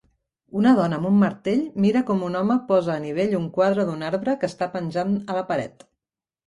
Una dona amb un martell mira com un home posa a nivell un quadre d'un arbre que està penjant a la paret